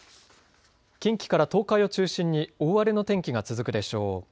近畿から東海を中心に大荒れの天気が続くでしょう。